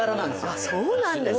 ああそうなんですか。